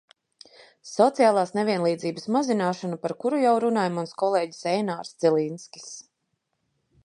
Sociālās nevienlīdzības mazināšana, par kuru jau runāja mans kolēģis Einārs Cilinskis.